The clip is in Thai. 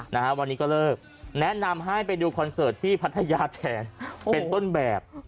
นะฮะวันนี้ก็เลิกแนะนำให้ไปดูคอนเสิร์ตที่พัทยาแทนเป็นต้นแบบ